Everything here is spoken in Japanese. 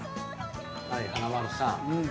はい華丸さん。